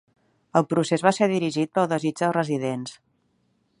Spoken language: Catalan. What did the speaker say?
El procés va ser dirigit pel desig dels residents.